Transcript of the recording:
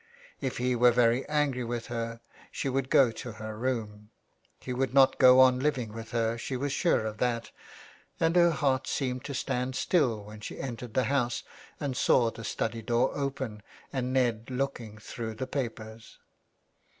If he were very angry with her she would go to her room. He would not go on living with her, she was sure of that, and her heart seemed to stand still when she entered the house and saw the study door open and Ned looking through the papers.